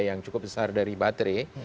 yang cukup besar dari baterai